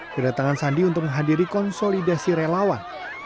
kedatangan sandi untuk menghadiri konsolidasi relawan